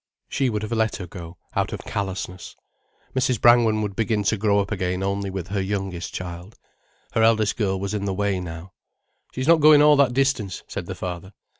She would have let her go, out of callousness. Mrs. Brangwen would begin to grow up again only with her youngest child. Her eldest girl was in the way now. "She's not going all that distance," said the father.